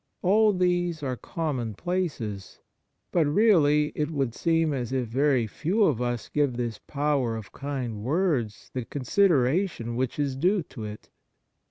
All these are commonplaces ; but really it would seem as if very few of us give this power of kind words the consideration which is due to it.